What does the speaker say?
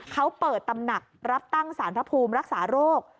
เขาเปิดตำหนักรับตั้งสารพระภูมิรักษาโรค